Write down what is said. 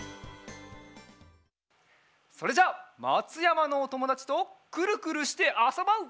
それじゃあまつやまのおともだちとくるくるしてあそぼう！